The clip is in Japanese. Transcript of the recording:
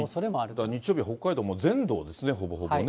だから日曜日は、もう北海道全土ですね、ほぼほぼね。